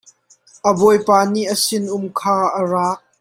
A bawipa nih a sin um kha a raak.